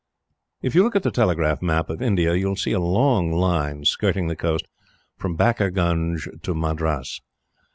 If you look at the telegraph map of India you will see a long line skirting the coast from Backergunge to Madras.